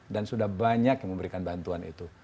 dan sudah banyak yang memberikan bantuan itu